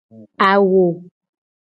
Awo.